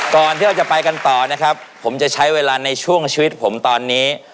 ก่อนที่เราจะไปกันต่อนะครับผมจะใช้เวลาในช่วงชีวิตผมตอนนี้